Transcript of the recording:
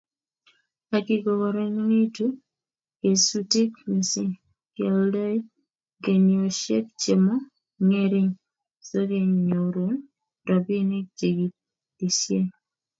ako kikororonitu kesutik mising, kioldei guniosiek chemong'ering sokenyorun robinik chekiolisien